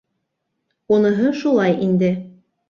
Уныһы шулай инде!